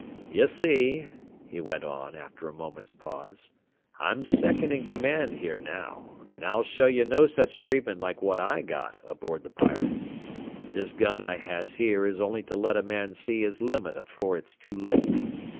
"Ye see," he went on, after a moment's pause, "I'm second in command here now, and I'll show you no such treatment like what I got aboard the Pirate. This gun I has here is only to let a man see his limit afore it's too late.